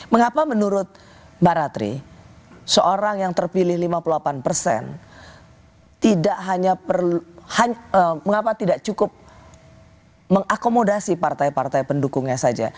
mengapa menurut mbak ratri seorang yang terpilih lima puluh delapan persen tidak hanya perlu mengapa tidak cukup mengakomodasi partai partai pendukungnya saja